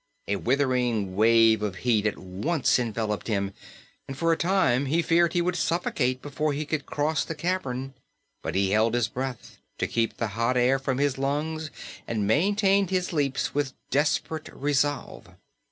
A withering wave of heat at once enveloped him, and for a time he feared he would suffocate before he could cross the cavern; but he held his breath, to keep the hot air from his lungs, and maintained his leaps with desperate resolve.